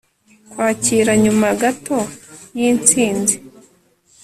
Kwakira nyuma gato y insinzi